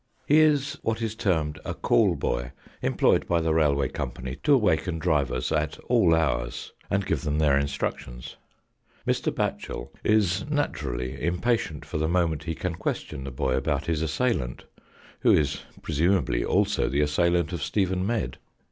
He is what is termed a call boy, employed by the Railway Company to awaken drivers at all hours, and give them their instructions. Mr. Batchel is naturally impatient for the moment he can question the boy about his assailant, who is presumably also the assailant of Stephen Medd.